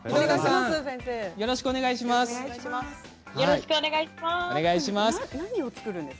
よろしくお願いします。